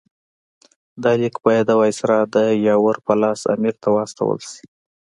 دا لیک باید د وایسرا د یاور په لاس امیر ته واستول شي.